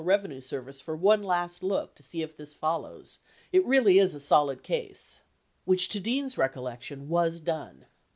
Revenue Service for one last look to see if this follows, it really is a solid case," which to Dean's recollection was done.